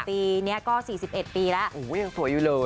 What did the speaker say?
ปีนี้ก็๔๑ปีแล้วยังสวยอยู่เลย